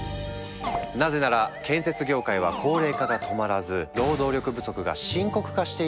なぜなら建設業界は高齢化が止まらず労働力不足が深刻化しているからだ。